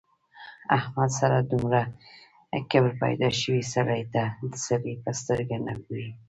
احمد سره دومره کبر پیدا شوی سړي ته د سړي په سترګه نه ګوري.